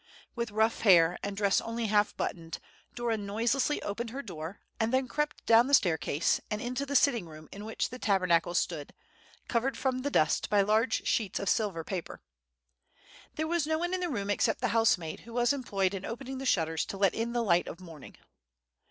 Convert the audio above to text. With rough hair, and dress only half buttoned, Dora noiselessly opened her door, and then crept down the staircase, and into the sitting room in which the Tabernacle stood, covered from the dust by large sheets of silver paper. There was no one in the room except the housemaid, who was employed in opening the shutters to let in the light of morning.